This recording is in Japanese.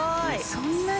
そんなに？